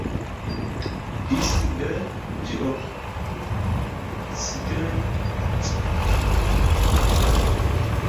Disde ĝi okcidenten ĝis la iama iama katedralo estas parko kaj ŝtuparo.